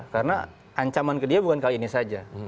karena ancaman ke dia bukan kali ini saja